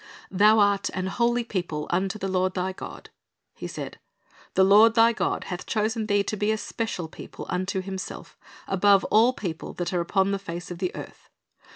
"Thou art an holy people unto the Lord thy God," He said; "the Lord thy God hath chosen thee to be a special people unto Himself, above all people that are upon the face of the earth.